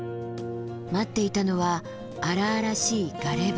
待っていたのは荒々しいガレ場。